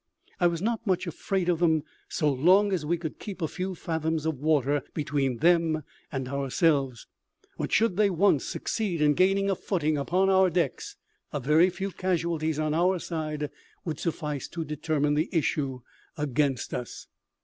I was not much afraid of them so long as we could keep a few fathoms of water between them and ourselves, but should they once succeed in gaining a footing upon our decks, a very few casualties on our side would suffice to determine the issue against us.